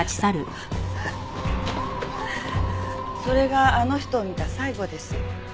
それがあの人を見た最後です。